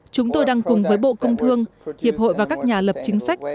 chúng tôi đang cùng với bộ công thương hiệp hội và các nhà lập chính sách